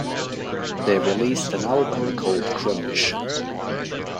They released an album called Crunch!